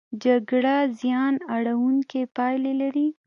جګړه زیان اړوونکې پایلې لري.